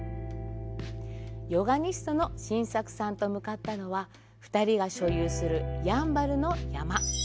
ヨガニストの晋作さんと向かったのは、２人が所有する、やんばるの山。